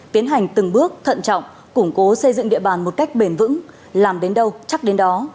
tiến hành từng bước thận trọng củng cố xây dựng địa bàn một cách bền vững làm đến đâu chắc đến đó